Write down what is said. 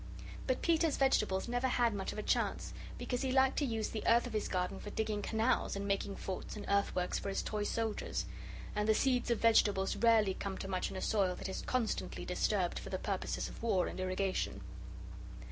But Peter's vegetables never had much of a chance, because he liked to use the earth of his garden for digging canals, and making forts and earthworks for his toy soldiers. And the seeds of vegetables rarely come to much in a soil that is constantly disturbed for the purposes of war and irrigation.